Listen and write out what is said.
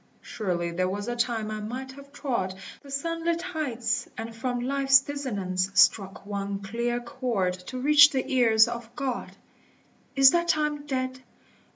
Surely there was a time I might have trod The sunlit heights, and from ltfe*s dissonance Struck one clear chord to reach the ears of God : Is that time dead?